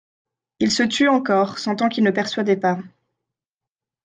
Il se tut encore, sentant qu'il ne persuadait pas.